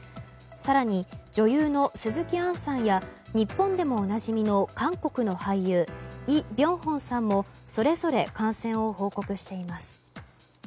更に、女優の鈴木杏さんや日本でもおなじみの韓国の俳優イ・ビョンホンさんもそれぞれ感染を報告しています。